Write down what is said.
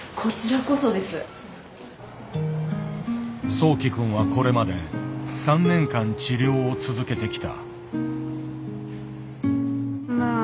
そうき君はこれまで３年間治療を続けてきた。